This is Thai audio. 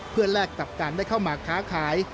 เพื่อแลกกับการได้เข้ามาค้าขาย